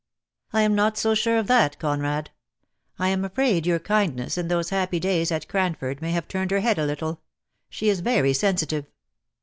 "I am not so sure of that, Conrad. I am afraid your kindness in those happy days at Cranford may have turned her head a little. She is very sensitive."